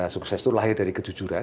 sukses itu lahir dari kejujuran